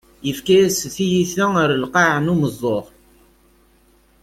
Yefka-yas tiyita ɣer lqaɛ n umeẓẓuɣ.